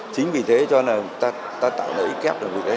chính vì thế cho nên là